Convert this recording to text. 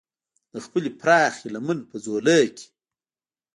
د خپلې پراخې لمن په ځولۍ کې.